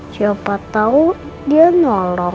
siapa tau dia nolong